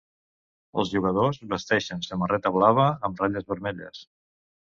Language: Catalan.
Els jugadors vesteixen samarreta blava amb ratlles vermelles.